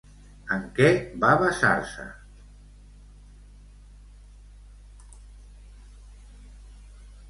En què va basar-se?